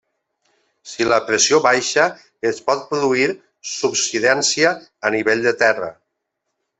Si la pressió baixa es pot produir subsidència a nivell de terra.